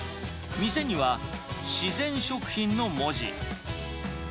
店には自然食品の文字。